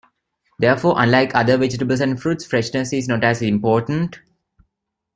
Therefore, unlike other vegetables and fruits, freshness is not as important.